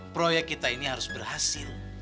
proyek kita ini harus berhasil